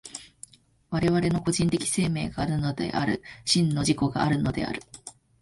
我々の個人的生命があるのである、真の自己があるのである。